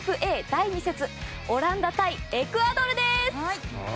第２節オランダ対エクアドルです。